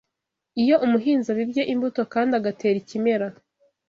Iyo umuhinzi abibye imbuto kandi agatera ikimera